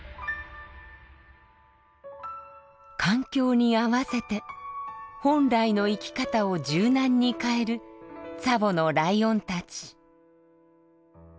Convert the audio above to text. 環境に合わせて本来の生き方を柔軟に変えるツァボのライオンたち。